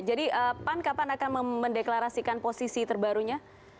jadi pan kapan akan mendeklarasikan posisi terbarunya